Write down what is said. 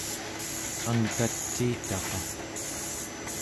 angtaciitaqa